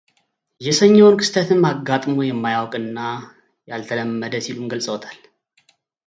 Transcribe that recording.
የሰኞውን ክስተትም አጋጥሞ የማያውቅና እና ያልተለመደ ሲሉም ገልጸውታል።